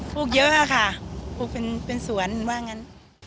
ปลูกเยอะค่ะปลูกเป็นสวนว่างั้น